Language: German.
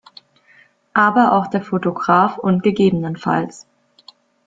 Aber auch der Fotograf und ggf.